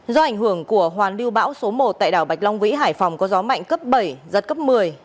do ảnh hưởng của hoàn lưu bão số một tại đảo bạch long vĩ hải phòng có gió mạnh cấp bảy giật cấp một mươi